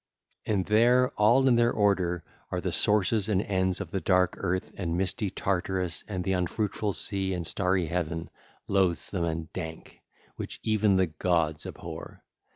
(ll. 807 819) And there, all in their order, are the sources and ends of the dark earth and misty Tartarus and the unfruitful sea and starry heaven, loathsome and dank, which even the gods abhor.